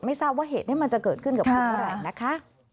ทราบว่าเหตุนี้มันจะเกิดขึ้นกับคุณเมื่อไหร่นะคะ